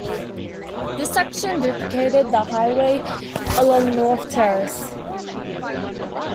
This section duplicated the highway along North Terrace.